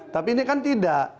tapi ini kan tidak